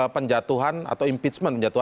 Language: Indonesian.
penjatuhan atau impeachment